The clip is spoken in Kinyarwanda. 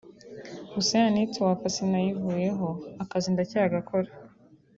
Gusa ya network sinayivuyeho akazi ndacyagakora